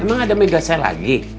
emang ada mega saya lagi